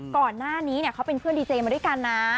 ก่อนหน้านี้เขาเป็นเพื่อนดีเจมาด้วยกันนะ